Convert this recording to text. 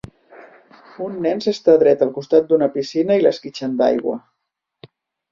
Un nen s'està dret al costat d'una piscina i l'esquitxen d'aigua.